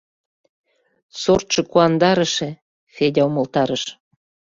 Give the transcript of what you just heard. — Сортшо «Куандарыше», — Федя умылтарыш.